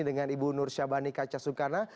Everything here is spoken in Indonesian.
dengan ibu nur syabani kacasukana